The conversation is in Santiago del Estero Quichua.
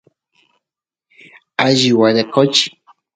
alli waraqochi